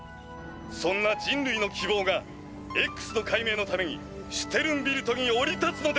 「そんな人類の希望がＸの解明のためにシュテルンビルトに降り立つのです！」